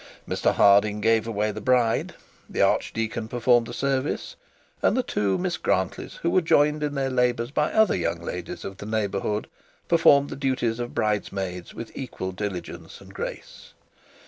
Mr Harding gave away the bride, the archdeacon performed the service, and the two Miss Grantlys, who were joined in their labours by other young ladies of the neighbourhood, performed the duties of bridesmaids with equal diligence and grace.